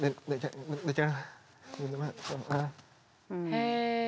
へえ。